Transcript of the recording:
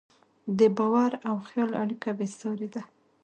د باور او خیال اړیکه بېساري ده.